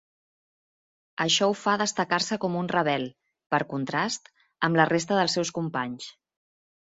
Això ho fa destacar-se com un rebel, per contrast, amb la resta dels seus companys.